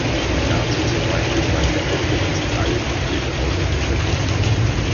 Dazu zählt beispielsweise der Aufbruch ins All mit Hilfe außerirdischer Technik.